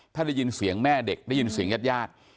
ถ้าได้ยินเสียงแม่เด็กได้ยินเสียงญาติญาติ